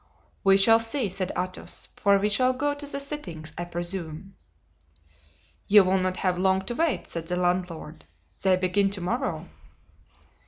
"We shall see," said Athos, "for we shall go to the sittings, I presume." "You will not have long to wait," said the landlord; "they begin to morrow."